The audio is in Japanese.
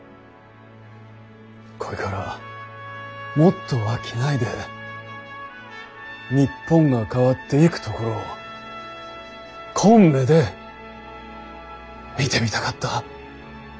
こいからもっと商いで日本が変わっていくところをこん目で見てみたかった。